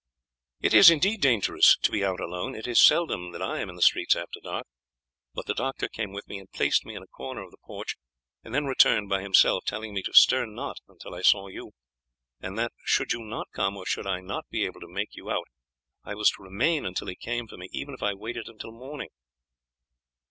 "It is indeed dangerous to be out alone. It is seldom that I am in the streets after dark, but the doctor came with me and placed me in a corner of the porch, and then returned by himself, telling me to stir not until I saw you; and that should you not come, or should I not be able to make you out, I was to remain until he came for me even if I waited until morning."